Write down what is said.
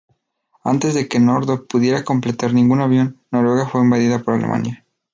Antes de que Northrop pudiera completar ningún avión, Noruega fue invadida por Alemania.